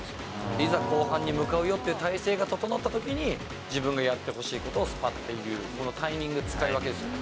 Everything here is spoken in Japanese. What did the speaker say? いざ後半に向かうよっていう態勢が整ったときに、自分がやってほしいことをすぱっと言う、このタイミング、使い分けですよね。